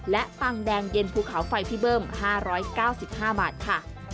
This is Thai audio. และปังแดงเย็นภูเขาไฟพี่เบิ้ม๕๙๕บาทค่ะ